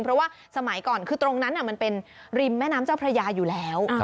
เพราะว่าสมัยก่อนคือตรงนั้นมันเป็นริมแม่น้ำเจ้าพระยาอยู่แล้ว